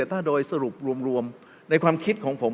ถ้าโดยสรุปรวมในความคิดของผม